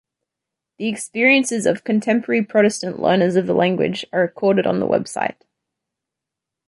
The experiences of contemporary Protestant learners of the language are recorded on the website.